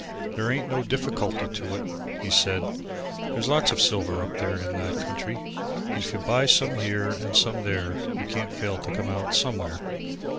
"There ain't no difficulty to it," he said, "there's lots of silver up there in that country and if you buy some here and some there you can't fail to come out somewhere.